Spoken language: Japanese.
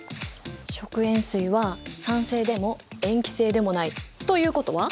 食塩水は酸性でも塩基性でもない。ということは？